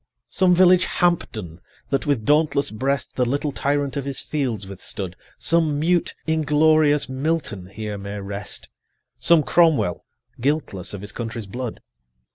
Some village Hampden, that with dauntless breast The little tyrant of his fields withstood, Some mute inglorious Milton here may rest, Some Cromwell, guiltless of his country's blood.